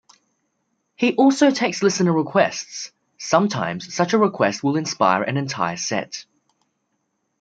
He also takes listener requests; sometimes such a request will inspire an entire set.